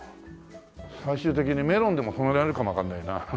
最終的にメロンでも染められるかもわかんないな。